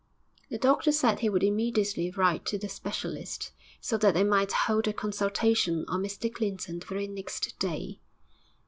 The doctor said he would immediately write to the specialist, so that they might hold a consultation on Mr Clinton the very next day.